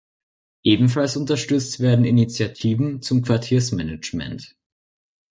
Ebenfalls unterstützt werden Initiativen zum Quartiersmanagement.